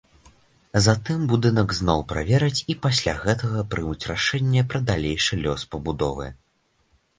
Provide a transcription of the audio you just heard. Затым будынак зноў правераць і пасля гэтага прымуць рашэнне пра далейшы лёс пабудовы.